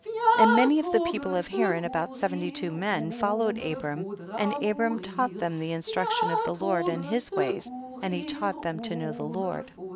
21. And many of the people of Haran, about seventy two men, fol lowed Abram and Abram taught them the instruction of the Lord and his ways, and he taught them to know the Lord.